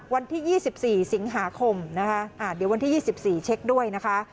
วันที่๒๔สิงหาคมนะคะเดี๋ยววันที่๒๔เช็คด้วยนะคะ